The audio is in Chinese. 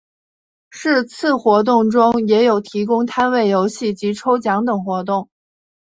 是次活动中也有提供摊位游戏及抽奖等活动。